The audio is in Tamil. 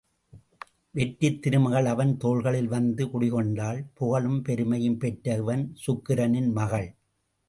வெற்றித் திருமகள் அவன் தோள்களில் வந்து குடிகொண்டாள் புகழும் பெருமையும் பெற்ற இவன் சுக்கிரனின் மகள்.